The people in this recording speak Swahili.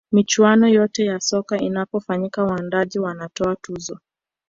michuano yote ya soka inapofanyika waandaaji wanatoa tuzo